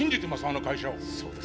あの会社を。